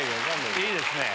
いいですね。